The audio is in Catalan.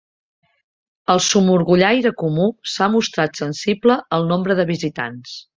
El somorgollaire comú s'ha mostrat sensible al nombre de visitants.